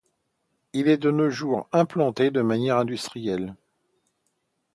Il est de nos jours implantés de manière industrielle.